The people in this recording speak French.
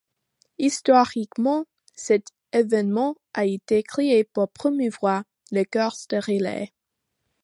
Historiquement, cet événement a été créé pour promouvoir les courses de relais.